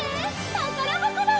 たからばこだ！